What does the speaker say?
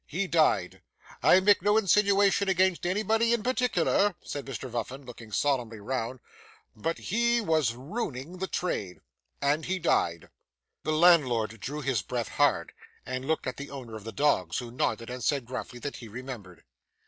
He died. I make no insinuation against anybody in particular,' said Mr Vuffin, looking solemnly round, 'but he was ruining the trade; and he died.' The landlord drew his breath hard, and looked at the owner of the dogs, who nodded and said gruffly that he remembered.